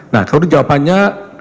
nah kalau itu jawabannya